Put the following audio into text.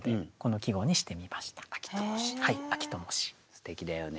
すてきだよね。